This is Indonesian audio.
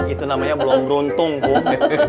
itu namanya belum beruntung bung